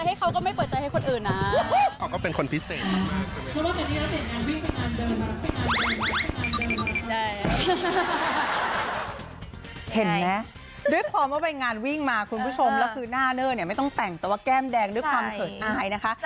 เห็นไหมด้วยความว่าไปงานวิ่งมาคุณผู้ชมแล้วคือหน้าเนอร์เนี่ยไม่ต้องแต่งแต่ว่าแก้มแดงด้วยความเขินอายนะคะ